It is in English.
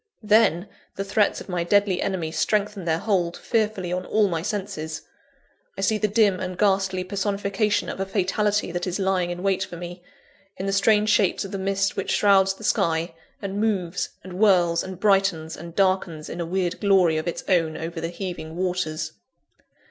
Then, the threats of my deadly enemy strengthen their hold fearfully on all my senses. I see the dim and ghastly personification of a fatality that is lying in wait for me, in the strange shapes of the mist which shrouds the sky, and moves, and whirls, and brightens, and darkens in a weird glory of its own over the heaving waters.